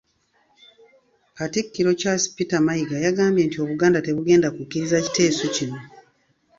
Katikkiro Charles Peter Mayiga yagambye nti Obuganda tebugenda kukkiriza kiteeso kino.